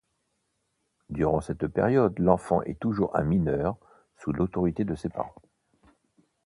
Durant cette période, l'enfant est toujours un mineur sous l'autorité de ses parents.